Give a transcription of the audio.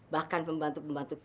bahkan pembantu pembantu kita pak